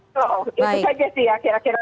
loh itu saja sih ya kira kira